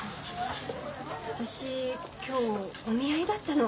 私今日お見合いだったの。